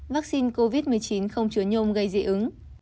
vaccine covid một mươi chín không chứa nhôm gây dị ứng